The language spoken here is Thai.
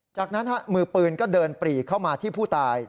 จากนั้นมือปืนก็เดินปรีเข้ามาที่ผู้ตาย